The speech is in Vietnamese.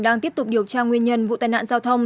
đang tiếp tục điều tra nguyên nhân vụ tai nạn giao thông